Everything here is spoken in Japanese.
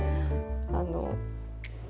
あの。